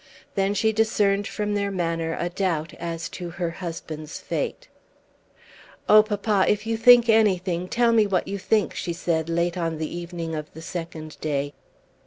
Then she discerned from their manner a doubt as to her husband's fate. "Oh, papa, if you think anything, tell me what you think," she said late on the evening of the second day.